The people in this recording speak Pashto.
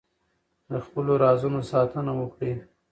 د خپلو رازونو ساتنه وکړئ.